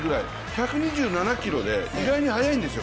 １２７キロで、意外に速いんですよ